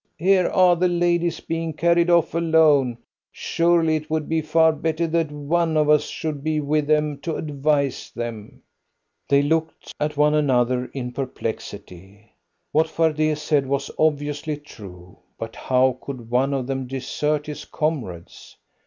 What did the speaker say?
Here are the ladies being carried off alone. Surely it would be far better that one of us should be with them to advise them." They looked at one another in perplexity. What Fardet said was obviously true, but how could one of them desert his comrades?